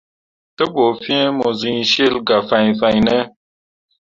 Te ɓu fĩĩ mo siŋ cil gah fãi fãine.